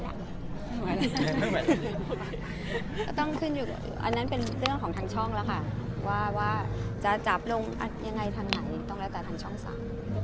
ก็ต้องขึ้นอยู่อันนั้นเป็นเรื่องของทางช่องแล้วค่ะว่าว่าจะจับลงยังไงทางไหนต้องแล้วแต่ทางช่องสาม